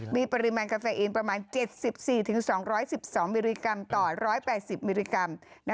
มีปริมาณกาแฟอินประมาณ๗๔๒๑๒มิลลิกรัมต่อ๑๘๐มิลลิกรัม